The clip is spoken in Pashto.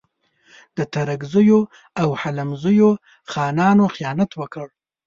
د ترکزیو او حلیمزیو خانانو خیانت وکړ.